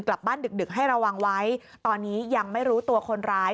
กลับบ้านดึกดึกให้ระวังไว้ตอนนี้ยังไม่รู้ตัวคนร้าย